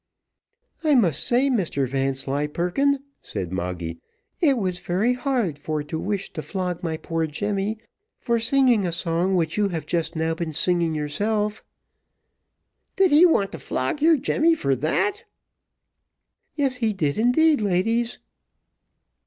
"I must say, Mr Vanslyperken," said Moggy, "it was very hard for to wish to flog my poor Jemmy for singing a song which you have just now been singing yourself." "Did he want to flog your Jemmy for that?" "Yes, he did indeed, ladies."